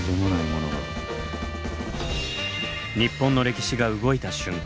日本の歴史が動いた瞬間。